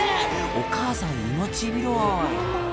お母さん命拾い